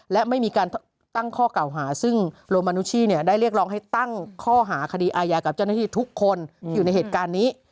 และไม่มีการตั้งข้อเก่าหาซึ่งโรมานุชี่ได้เรียกร้องให้ตั้งข้อหาคดีอายากับเจ้าหน้าที่ทุกคนที่อยู่ในเหตุการณ์นี้